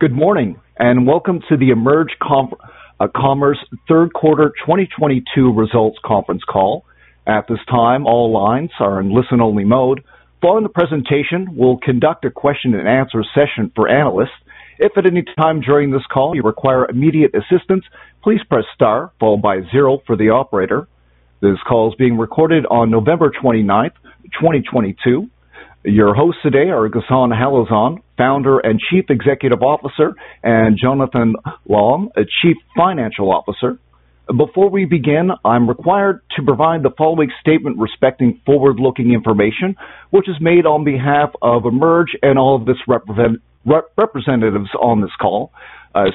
Good morning. Welcome to the EMERGE Commerce Third Quarter 2022 Results Conference Call. At this time, all lines are in listen-only mode. Following the presentation, we'll conduct a question and answer session for analysts. If at any time during this call you require immediate assistance, please press star followed by zero for the operator. This call is being recorded on November 29, 2022. Your hosts today are Ghassan Halazon, Founder and Chief Executive Officer, and Jonathan Leong, Chief Financial Officer. Before we begin, I'm required to provide the following statement respecting forward-looking information, which is made on behalf of EMERGE and all of its representatives on this call.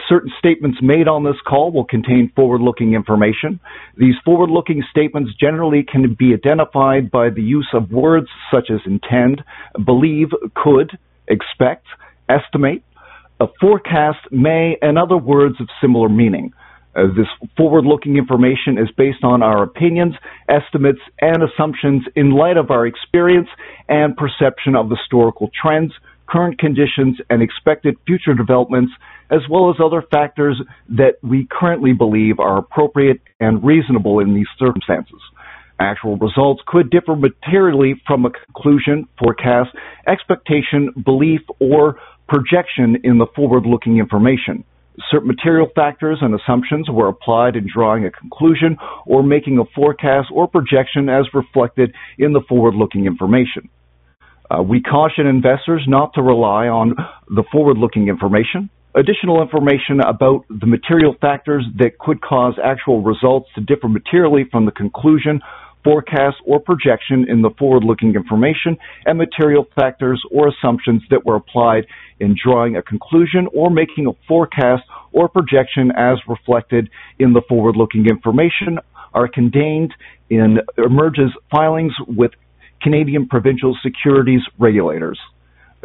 Certain statements made on this call will contain forward-looking information. These forward-looking statements generally can be identified by the use of words such as intend, believe, could, expect, estimate, forecast, may, and other words of similar meaning. This forward-looking information is based on our opinions, estimates, and assumptions in light of our experience and perception of historical trends, current conditions, and expected future developments, as well as other factors that we currently believe are appropriate and reasonable in these circumstances. Actual results could differ materially from a conclusion, forecast, expectation, belief, or projection in the forward-looking information. Certain material factors and assumptions were applied in drawing a conclusion or making a forecast or projection as reflected in the forward-looking information. We caution investors not to rely on the forward-looking information. Additional information about the material factors that could cause actual results to differ materially from the conclusion, forecast, or projection in the forward-looking information and material factors or assumptions that were applied in drawing a conclusion or making a forecast or projection as reflected in the forward-looking information are contained in EMERGE's filings with Canadian Provincial Securities Regulators.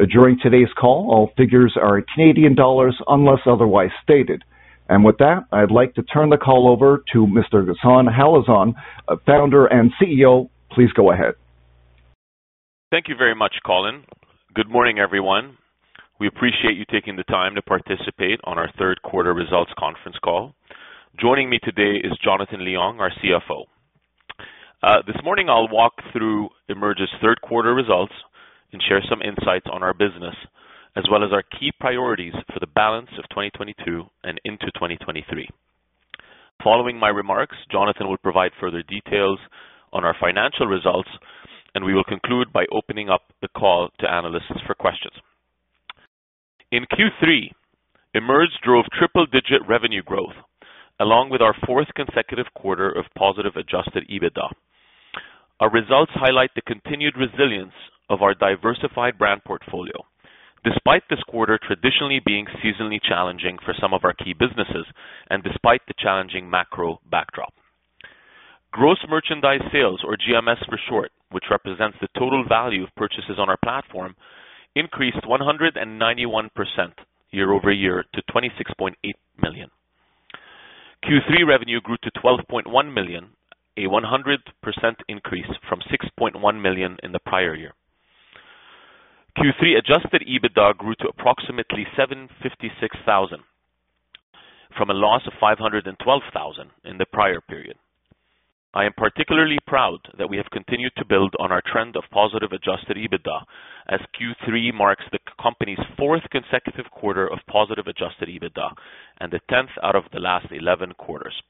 During today's call, all figures are in Canadian dollars, unless otherwise stated. With that, I'd like to turn the call over to Mr. Ghassan Halazon, Founder and CEO. Please go ahead. Thank you very much, Colin. Good morning, everyone. We appreciate you taking the time to participate on our Third Quarter Results Conference Call. Joining me today is Jonathan Leong, our CFO. This morning, I'll walk through EMERGE's third quarter results and share some insights on our business, as well as our key priorities for the balance of 2022 and into 2023. Following my remarks, Jonathan will provide further details on our financial results, and we will conclude by opening up the call to analysts for questions. In Q3, EMERGE drove triple-digit revenue growth, along with our fourth consecutive quarter of positive adjusted EBITDA. Our results highlight the continued resilience of our diversified brand portfolio, despite this quarter traditionally being seasonally challenging for some of our key businesses and despite the challenging macro backdrop. Gross merchandise sales, or GMS for short, which represents the total value of purchases on our platform, increased 191% year-over-year to 26.8 million. Q3 revenue grew to 12.1 million, a 100% increase from 6.1 million in the prior year. Q3 adjusted EBITDA grew to approximately 756,000 from a loss of 512,000 in the prior period. I am particularly proud that we have continued to build on our trend of positive adjusted EBITDA as Q3 marks the company's fourth consecutive quarter of positive adjusted EBITDA and the 10th out of the last 11 quarters.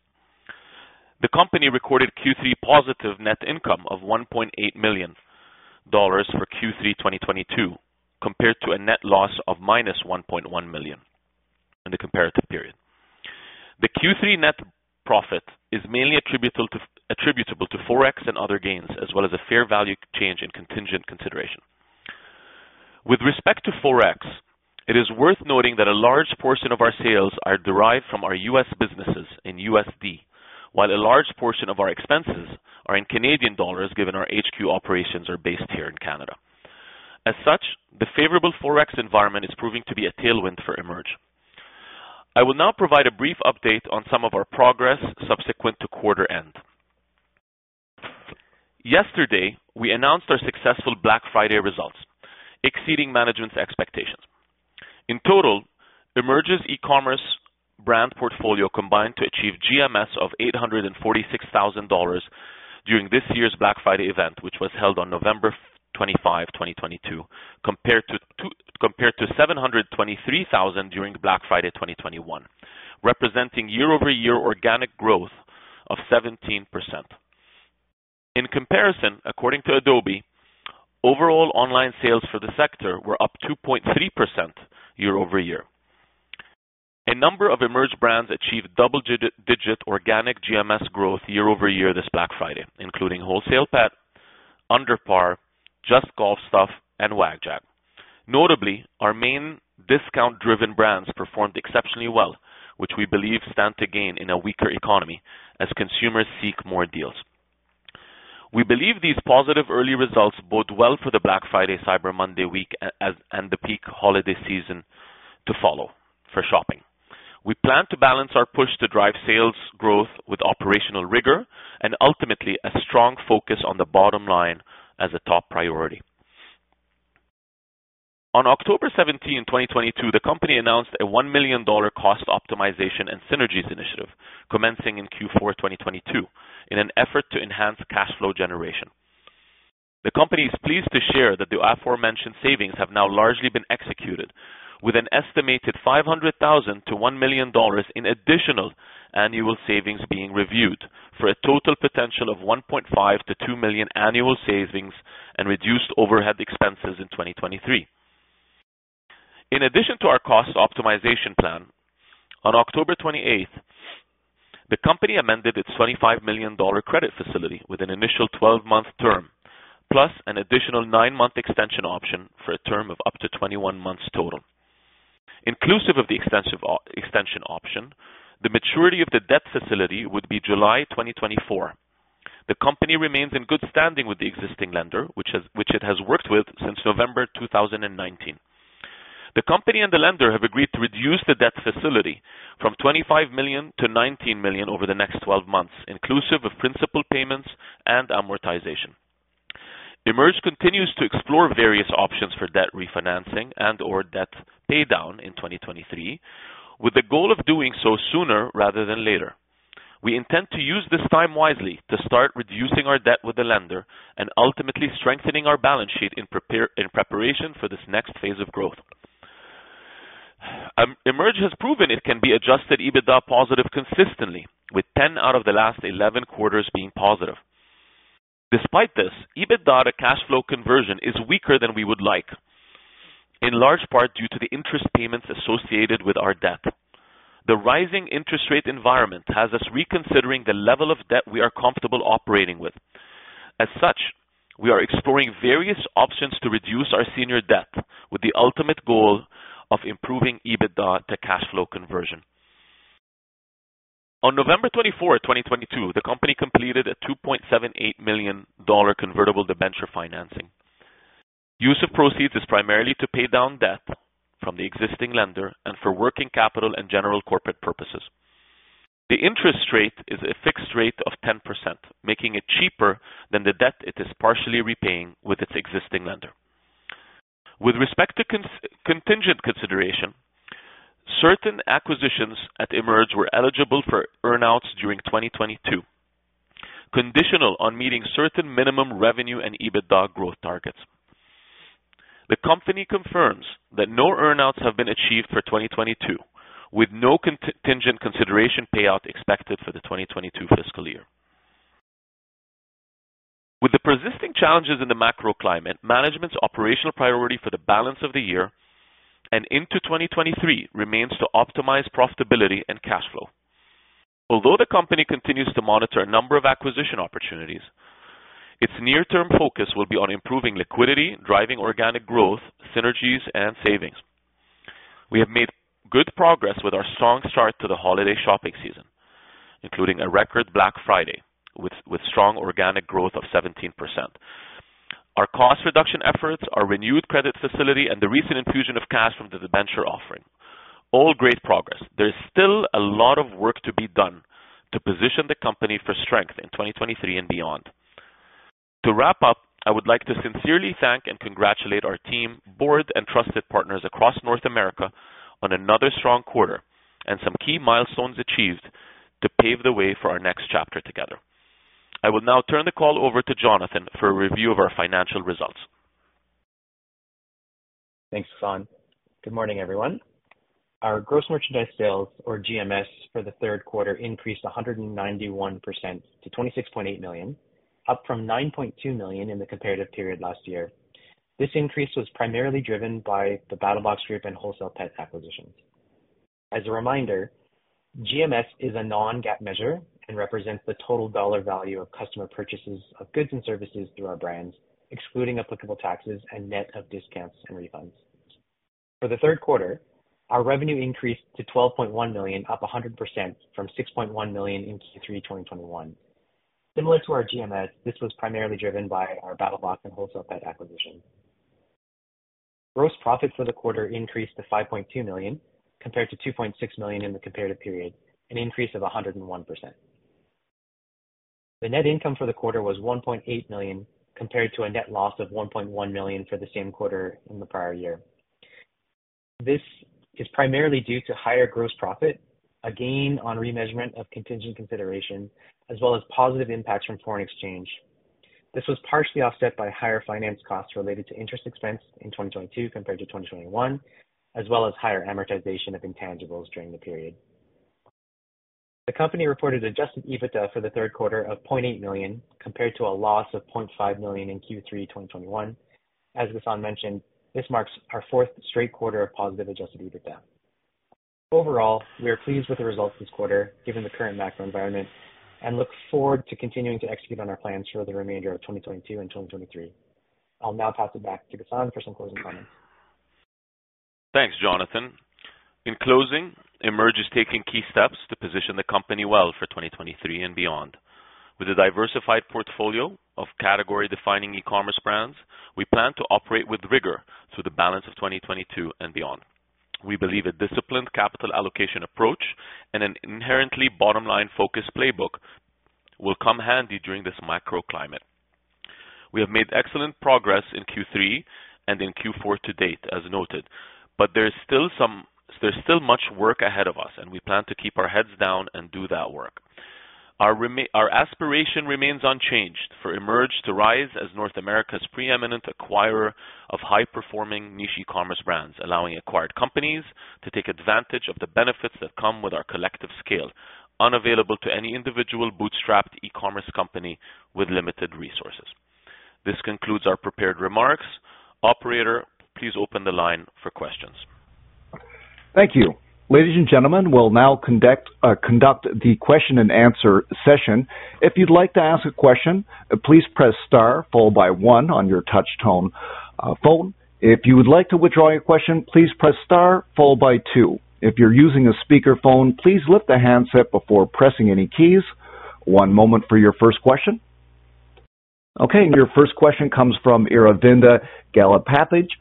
The company recorded Q3 positive net income of 1.8 million dollars for Q3 2022, compared to a net loss of -1.1 million in the comparative period. The Q3 net profit is mainly attributable to forex and other gains, as well as a fair value change in contingent consideration. With respect to forex, it is worth noting that a large portion of our sales are derived from our U.S. businesses in USD, while a large portion of our expenses are in Canadian dollars, given our HQ operations are based here in Canada. As such, the favorable forex environment is proving to be a tailwind for EMERGE. I will now provide a brief update on some of our progress subsequent to quarter end. Yesterday, we announced our successful Black Friday results, exceeding management's expectations. In total, EMERGE's e-commerce brand portfolio combined to achieve GMS of 846,000 dollars during this year's Black Friday event, which was held on November 25, 2022, compared to 723,000 during Black Friday 2021, representing year-over-year organic growth of 17%. In comparison, according to Adobe, overall online sales for the sector were up 2.3% year-over-year. A number of EMERGE brands achieved double-digit organic GMS growth year-over-year this Black Friday, including WholesalePet, UnderPar, Just Golf Stuff, and WagJag. Notably, our main discount-driven brands performed exceptionally well, which we believe stand to gain in a weaker economy as consumers seek more deals. We believe these positive early results bode well for the Black Friday/Cyber Monday week and the peak holiday season to follow for shopping. We plan to balance our push to drive sales and ultimately a strong focus on the bottom line as a top priority. On October 17, 2022, the company announced a 1 million dollar cost optimization and synergies initiative commencing in Q4 2022 in an effort to enhance cash flow generation. The company is pleased to share that the aforementioned savings have now largely been executed with an estimated 500,000-1 million dollars in additional annual savings being reviewed. For a total potential of 1.5 million-2 million annual savings and reduced overhead expenses in 2023. In addition to our cost optimization plan, on October 28th, the company amended its 25 million dollar credit facility with an initial 12-month term, plus an additional nine-month extension option for a term of up to 21 months total. Inclusive of the extension option, the maturity of the debt facility would be July 2024. The company remains in good standing with the existing lender, which it has worked with since November 2019. The company and the lender have agreed to reduce the debt facility from 25 million-19 million over the next 12 months, inclusive of principal payments and amortization. EMERGE continues to explore various options for debt refinancing and or debt paydown in 2023, with the goal of doing so sooner rather than later. We intend to use this time wisely to start reducing our debt with the lender and ultimately strengthening our balance sheet in preparation for this next phase of growth. EMERGE has proven it can be adjusted EBITDA positive consistently, with 10 out of the last 11 quarters being positive. Despite this, EBITDA to cash flow conversion is weaker than we would like, in large part due to the interest payments associated with our debt. The rising interest rate environment has us reconsidering the level of debt we are comfortable operating with. We are exploring various options to reduce our senior debt with the ultimate goal of improving EBITDA to cash flow conversion. On November 24, 2022, the company completed a 2.78 million dollar convertible debenture financing. Use of proceeds is primarily to pay down debt from the existing lender and for working capital and general corporate purposes. The interest rate is a fixed rate of 10%, making it cheaper than the debt it is partially repaying with its existing lender. With respect to contingent consideration, certain acquisitions at EMERGE were eligible for earn-outs during 2022, conditional on meeting certain minimum revenue and EBITDA growth targets. The company confirms that no earn-outs have been achieved for 2022, with no contingent consideration payout expected for the 2022 fiscal year. With the persisting challenges in the macro climate, management's operational priority for the balance of the year and into 2023 remains to optimize profitability and cash flow. Although the company continues to monitor a number of acquisition opportunities, its near-term focus will be on improving liquidity, driving organic growth, synergies, and savings. We have made good progress with our strong start to the holiday shopping season, including a record Black Friday with strong organic growth of 17%. Our cost reduction efforts, our renewed credit facility, the recent infusion of cash from the debenture offering, all great progress. There is still a lot of work to be done to position the company for strength in 2023 and beyond. To wrap up, I would like to sincerely thank and congratulate our team, board, and trusted partners across North America on another strong quarter and some key milestones achieved to pave the way for our next chapter together. I will now turn the call over to Jonathan for a review of our financial results. Thanks, Ghassan. Good morning, everyone. Our gross merchandise sales, or GMS, for the third quarter increased 191% to 26.8 million, up from 9.2 million in the comparative period last year. This increase was primarily driven by the BattlBox Group and WholesalePet acquisitions. As a reminder, GMS is a non-GAAP measure and represents the total dollar value of customer purchases of goods and services through our brands, excluding applicable taxes and net of discounts and refunds. For the third quarter, our revenue increased to 12.1 million, up 100% from 6.1 million in Q3 2021. Similar to our GMS, this was primarily driven by our BattlBox and WholesalePet acquisition. Gross profit for the quarter increased to 5.2 million, compared to 2.6 million in the comparative period, an increase of 101%. The net income for the quarter was 1.8 million, compared to a net loss of 1.1 million for the same quarter in the prior year. This is primarily due to higher gross profit, a gain on remeasurement of contingent consideration, as well as positive impacts from foreign exchange. This was partially offset by higher finance costs related to interest expense in 2022 compared to 2021, as well as higher amortization of intangibles during the period. The company reported adjusted EBITDA for the third quarter of 0.8 million, compared to a loss of 0.5 million in Q3 2021. As Ghassan mentioned, this marks our fourth straight quarter of positive adjusted EBITDA. Overall, we are pleased with the results this quarter given the current macro environment and look forward to continuing to execute on our plans for the remainder of 2022 and 2023. I'll now pass it back to Ghassan for some closing comments. Thanks, Jonathan. In closing, EMERGE is taking key steps to position the company well for 2023 and beyond. With a diversified portfolio of category-defining e-commerce brands, we plan to operate with rigor through the balance of 2022 and beyond. We believe a disciplined capital allocation approach and an inherently bottom line focused playbook will come handy during this macro climate. We have made excellent progress in Q3 and in Q4 to date, as noted. There's still much work ahead of us, and we plan to keep our heads down and do that work. Our aspiration remains unchanged for EMERGE to rise as North America's preeminent acquirer of high-performing niche e-commerce brands, allowing acquired companies to take advantage of the benefits that come with our collective scale, unavailable to any individual bootstrapped e-commerce company with limited resources. This concludes our prepared remarks. Operator, please open the line for questions. Thank you. Ladies and gentlemen, we'll now conduct the question-and-answer session. If you'd like to ask a question, please press star followed by one on your touch tone phone. If you would like to withdraw your question, please press star followed by two. If you're using a speakerphone, please lift the handset before pressing any keys. One moment for your first question. Okay, your first question comes from Aravinda Galappatthige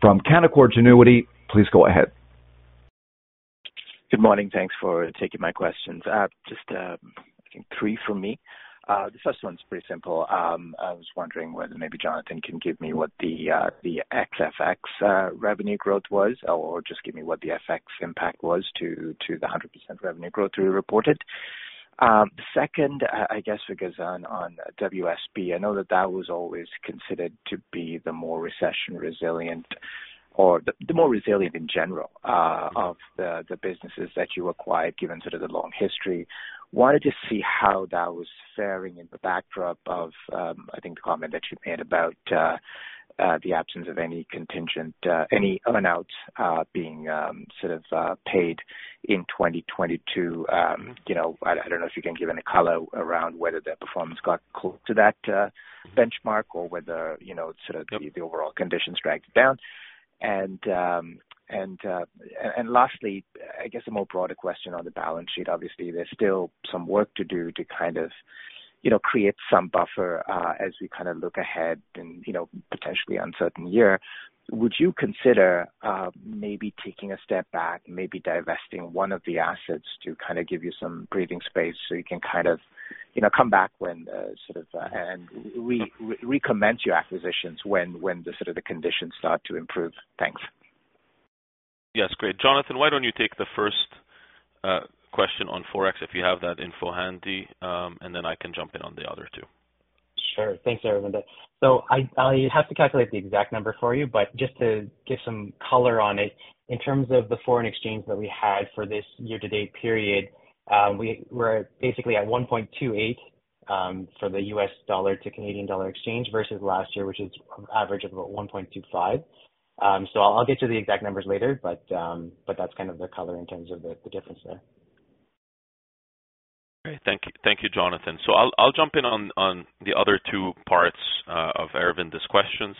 from Canaccord Genuity. Please go ahead. Thanks for taking my questions. Just three from me. The first one is pretty simple. I was wondering whether maybe Jonathan can give me what the FX revenue growth was, or just give me what the FX impact was to the 100% revenue growth you reported. Second, I guess it goes on WSP. I know that that was always considered to be the more recession resilient or the more resilient in general of the businesses that you acquired, given sort of the long history. Wanted to see how that was faring in the backdrop of, I think the comment that you made about the absence of any contingent, any earn-outs being paid in 2022 You know, I don't know if you can give any color around whether their performance got close to that benchmark or whether, you know, sort of the overall conditions dragged it down. Lastly, I guess, a more broader question on the balance sheet. Obviously, there's still some work to do to kind of, you know, create some buffer as we kinda look ahead and, you know, potentially uncertain year. Would you consider, maybe taking a step back, maybe divesting one of the assets to kinda give you some breathing space so you can kind of, you know, come back when sort of and recommence your acquisitions when the sort of the conditions start to improve? Thanks. Yes. Great. Jonathan, why don't you take the first question on forex, if you have that info handy? And then I can jump in on the other two. Sure. Thanks, Aravinda. I have to calculate the exact number for you. But just to give some color on it, in terms of the foreign exchange that we had for this year-to-date period, we're basically at 1.28 for the U.S. dollar to Canadian dollar exchange versus last year, which is average of about 1.25. I'll get to the exact numbers later, but that's kind of the color in terms of the difference there. Great. Thank you, Jonathan. I'll jump in on the other two parts of Aravinda's questions.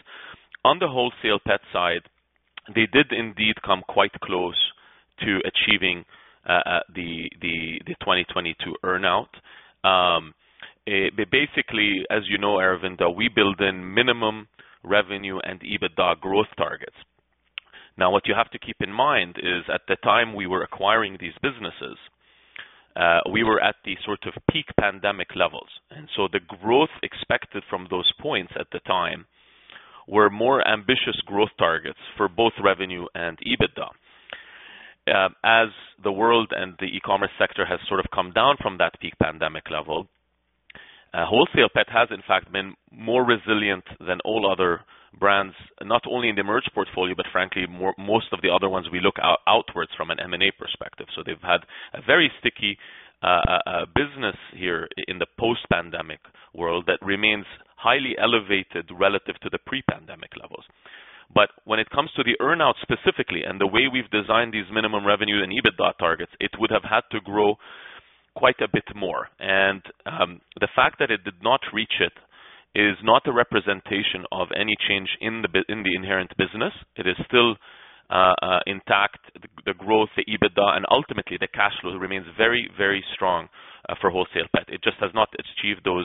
On the WholesalePet side, they did indeed come quite close to achieving the 2022 earn-out. They basically, as you know, Aravinda, we build in minimum revenue and EBITDA growth targets. What you have to keep in mind is at the time we were acquiring these businesses, we were at the sort of peak pandemic levels, the growth expected from those points at the time were more ambitious growth targets for both revenue and EBITDA. As the world and the e-commerce sector has sort of come down from that peak pandemic level, WholesalePet has in fact been more resilient than all other brands, not only in the EMERGE portfolio, but frankly, most of the other ones we look outwards from an M&A perspective. They've had a very sticky business here in the post-pandemic world that remains highly elevated relative to the pre-pandemic levels. When it comes to the earn-out specifically and the way we've designed these minimum revenue and EBITDA targets, it would have had to grow quite a bit more. The fact that it did not reach it is not a representation of any change in the inherent business. It is still intact. The growth, the EBITDA, and ultimately the cash flow remains very, very strong for WholesalePet. It just has not achieved those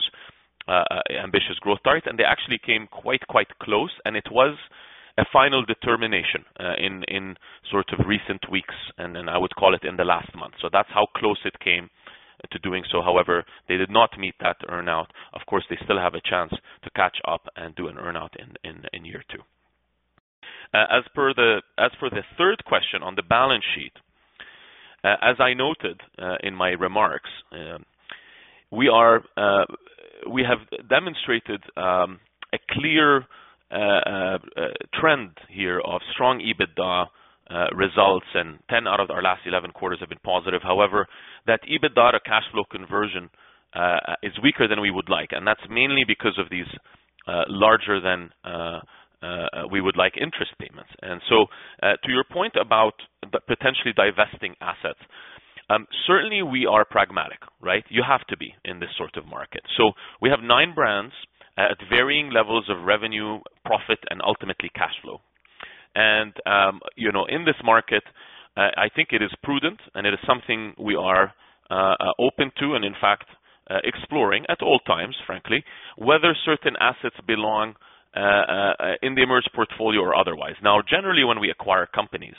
ambitious growth targets. They actually came quite close. It was a final determination in sort of recent weeks and I would call it in the last month. That's how close it came to doing so. However, they did not meet that earn-out. Of course, they still have a chance to catch up and do an earn-out in year two. As for the third question on the balance sheet, as I noted in my remarks, we are, we have demonstrated a clear trend here of strong EBITDA results, and 10 out of our last 11 quarters have been positive. That EBITDA to cash flow conversion is weaker than we would like, that's mainly because of these larger than we would like interest payments. To your point about the potentially divesting assets, certainly we are pragmatic, right? You have to be in this sort of market. We have nine brands at varying levels of revenue, profit, and ultimately cash flow. You know, in this market I think it is prudent and it is something we are open to and in fact, exploring at all times, frankly, whether certain assets belong in the EMERGE portfolio or otherwise. Generally, when we acquire companies,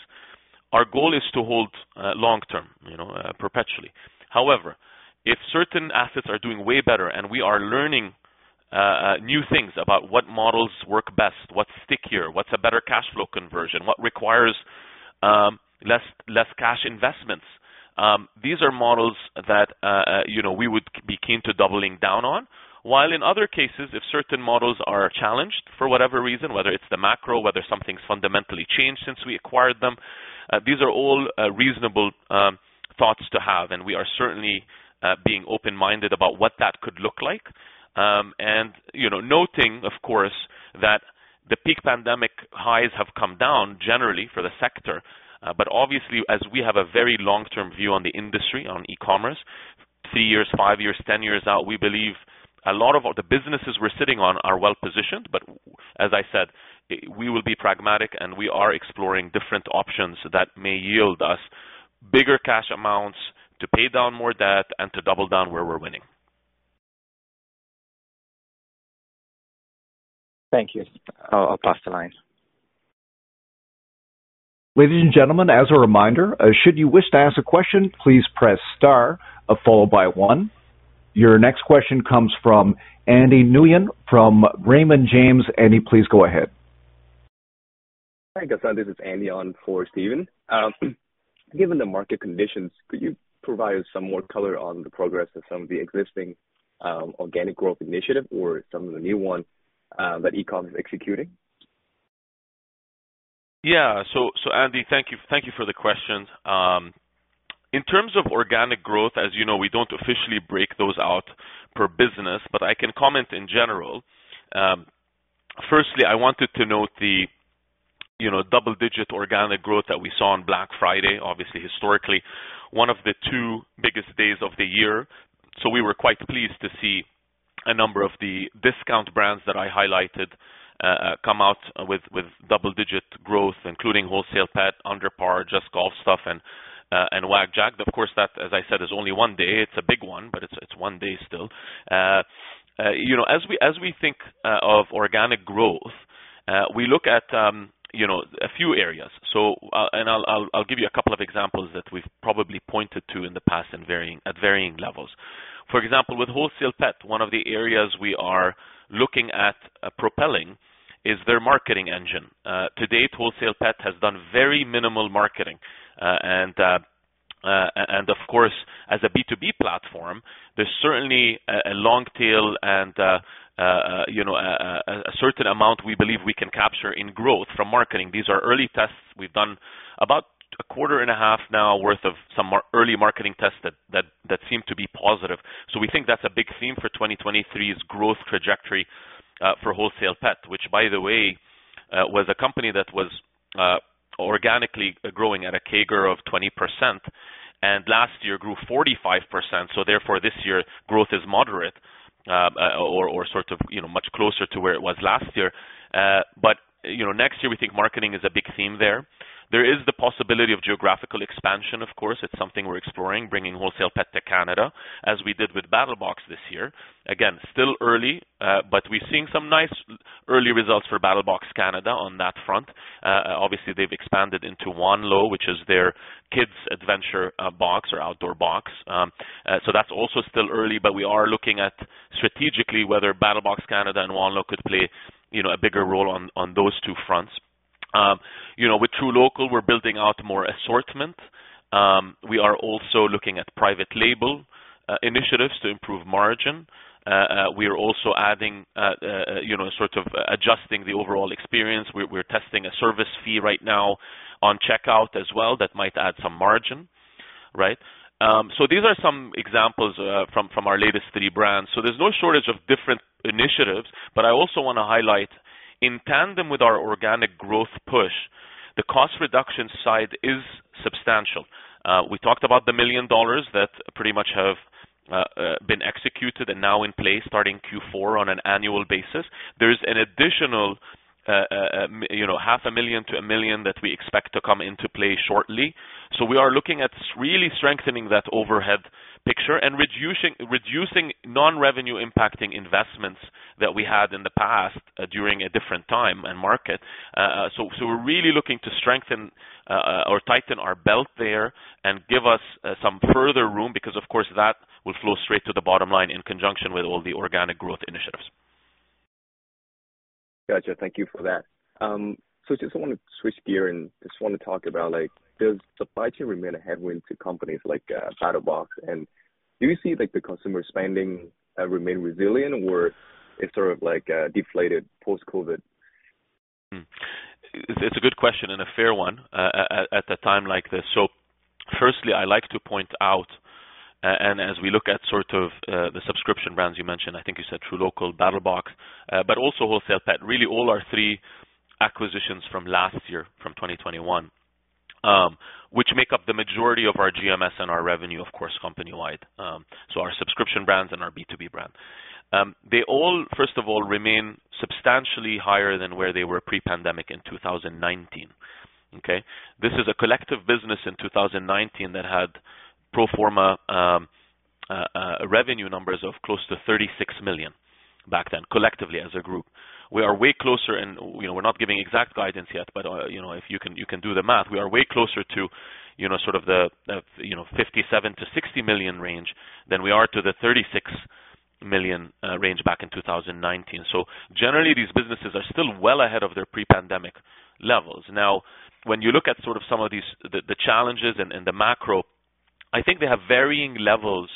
our goal is to hold long-term, you know, perpetually. If certain assets are doing way better and we are learning new things about what models work best, what's stickier, what's a better cash flow conversion, what requires less cash investments, these are models that, you know, we would be keen to doubling down on. In other cases, if certain models are challenged for whatever reason, whether it's the macro, whether something's fundamentally changed since we acquired them, these are all reasonable thoughts to have, and we are certainly being open-minded about what that could look like. You know, noting of course, that the peak pandemic highs have come down generally for the sector. Obviously as we have a very long-term view on the industry, on e-commerce, three years, five years, 10 years out, we believe a lot of the businesses we're sitting on are well-positioned. As I said, we will be pragmatic, and we are exploring different options that may yield us bigger cash amounts to pay down more debt and to double down where we're winning. Thank you. I'll pass the line. Ladies and gentlemen, as a reminder, should you wish to ask a question, please press star followed by one. Your next question comes from Andy Nguyen from Raymond James. Andy, please go ahead. Hi, Ghassan. This is Andy on for Steven. Given the market conditions, could you provide some more color on the progress of some of the existing, organic growth initiative or some of the new ones, that EMERGE is executing? Andy, thank you for the question. In terms of organic growth, as you know, we don't officially break those out per business, but I can comment in general. Firstly, I wanted to note, you know, double-digit organic growth that we saw on Black Friday, obviously historically, one of the two biggest days of the year. We were quite pleased to see a number of the discount brands that I highlighted, come out with double-digit growth, including WholesalePet, UnderPar, Just Golf Stuff, and WagJag. Of course, that, as I said, is only one day. It's a big one, but it's one day still. you know, as we think of organic growth, we look at, you know, a few areas. And I'll give you a couple of examples that we've probably pointed to in the past at varying levels. For example, with WholesalePet, one of the areas we are looking at propelling is their marketing engine. To date, WholesalePet has done very minimal marketing. And of course, as a B2B platform, there's certainly a long tail and, you know, a certain amount we believe we can capture in growth from marketing. These are early tests. We've done about a quarter and a half now worth of some early marketing tests that seem to be positive. We think that's a big theme for 2023's growth trajectory for WholesalePet, which by the way, was a company that was organically growing at a CAGR of 20%, and last year grew 45%. Therefore this year growth is moderate, or sort of, you know, much closer to where it was last year. You know, next year we think marketing is a big theme there. There is the possibility of geographical expansion, of course. It's something we're exploring, bringing WholesalePet to Canada, as we did with BattlBox this year. Again, still early, but we're seeing some nice early results for BattlBox Canada on that front. Obviously they've expanded into Wanlow, which is their kids adventure box or outdoor box. So that's also still early, but we are looking at strategically whether BattlBox Canada and Wanlow could play, you know, a bigger role on those two fronts. You know, with truLOCAL, we're building out more assortment. We are also looking at private label initiatives to improve margin. We are also adding, you know, sort of adjusting the overall experience. We're testing a service fee right now on checkout as well that might add some margin, right? These are some examples from our latest three brands. There's no shortage of different initiatives. I also wanna highlight in tandem with our organic growth push, the cost reduction side is substantial. We talked about the 1 million dollars that pretty much have been executed and now in place starting Q4 on an annual basis. There's an additional, you know, 0.5 million-1 million that we expect to come into play shortly. We are looking at really strengthening that overhead picture and reducing non-revenue impacting investments that we had in the past during a different time and market. We're really looking to strengthen or tighten our belt there and give us some further room because of course, that will flow straight to the bottom line in conjunction with all the organic growth initiatives. Gotcha. Thank you for that. I just wanna switch gear and just wanna talk about like, does supply chain remain a headwind to companies like, BattlBox? Do you see like the consumer spending, remain resilient, or it's sort of like, deflated post-COVID? It's a good question and a fair one at a time like this. firstly, I like to point out, and as we look at sort of, the subscription brands you mentioned, I think you said truLOCAL, BattlBox, but also WholesalePet, really all our three acquisitions from last year, from 2021, which make up the majority of our GMS and our revenue, of course, company-wide. Our subscription brands and our B2B brand. They all, first of all, remain substantially higher than where they were pre-pandemic in 2019, okay? This is a collective business in 2019 that had pro forma revenue numbers of close to 36 million back then, collectively as a group. We are way closer, you know, we're not giving exact guidance yet, but, you know, if you can, you can do the math. We are way closer to, you know, sort of the, you know, 57 million-60 million range than we are to the 36 million range back in 2019. Generally, these businesses are still well ahead of their pre-pandemic levels. When you look at sort of some of these challenges and the macro, I think they have varying levels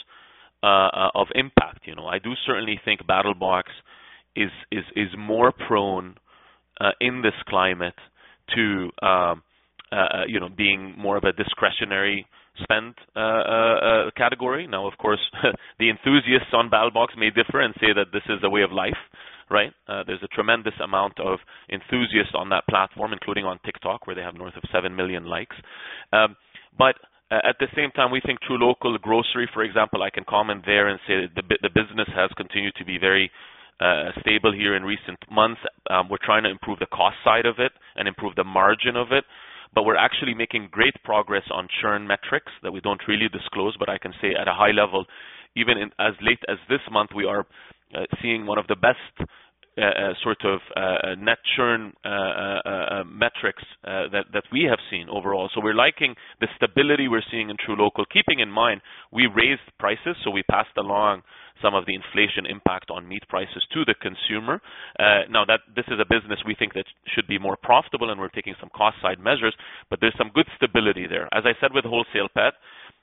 of impact. I do certainly think BattlBox is, is more prone, in this climate to, you know, being more of a discretionary spend category. Of course, the enthusiasts on BattlBox may differ and say that this is a way of life, right? There's a tremendous amount of enthusiasts on that platform, including on TikTok, where they have north of seven million likes. At the same time, we think truLOCAL grocery, for example, I can comment there and say that the business has continued to be very stable here in recent months. We're trying to improve the cost side of it and improve the margin of it, but we're actually making great progress on churn metrics that we don't really disclose. I can say at a high level, even in as late as this month, we are seeing one of the best sort of net churn metrics that we have seen overall. We're liking the stability we're seeing in truLOCAL, keeping in mind we raised prices, so we passed along some of the inflation impact on meat prices to the consumer. Now, this is a business we think that should be more profitable and we're taking some cost side measures, but there's some good stability there. As I said, with WholesalePet,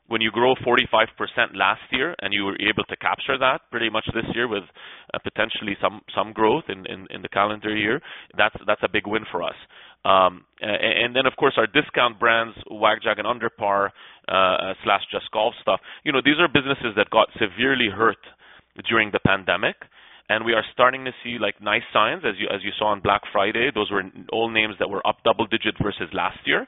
when you grow 45% last year, and you were able to capture that pretty much this year with potentially some growth in the calendar year, that's a big win for us. And then of course our discount brands, WagJag and UnderPar/Just Golf Stuff. You know, these are businesses that got severely hurt during the pandemic, and we are starting to see like, nice signs. As you saw on Black Friday, those were all names that were up double-digit versus last year.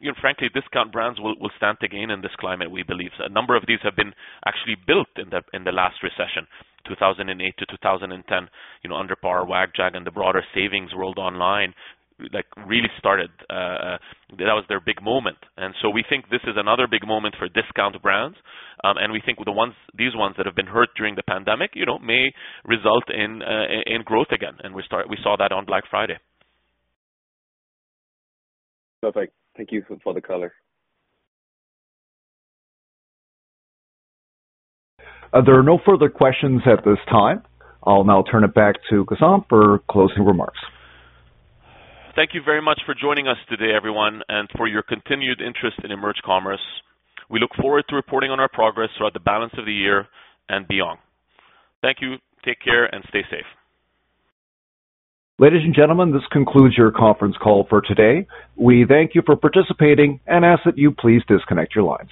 you know, frankly, discount brands will stand to gain in this climate, we believe. A number of these have been actually built in the last recession, 2008-2010. You know, UnderPar, WagJag, and the broader savings world online, like really started, that was their big moment. We think this is another big moment for discount brands. We think these ones that have been hurt during the pandemic, you know, may result in growth again. We saw that on Black Friday. Sounds like. Thank you for the color. There are no further questions at this time. I'll now turn it back to Ghassan for closing remarks. Thank you very much for joining us today, everyone, and for your continued interest in EMERGE Commerce. We look forward to reporting on our progress throughout the balance of the year and beyond. Thank you. Take care, and stay safe. Ladies and gentlemen, this concludes your conference call for today. We thank you for participating and ask that you please disconnect your lines.